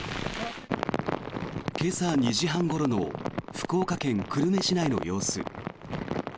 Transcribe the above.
今朝２時半ごろの福岡県久留米市内の様子。